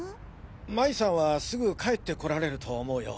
麻衣さんはすぐ帰って来られると思うよ。